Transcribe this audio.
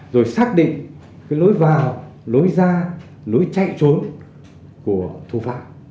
rồi xác định cái lối vào lối ra lối chạy trốn của thủ phạm